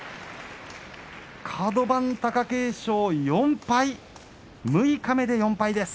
カド番貴景勝、４敗六日目で４敗です。